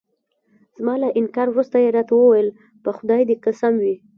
زما له انکار وروسته يې راته وویل: په خدای دې قسم وي.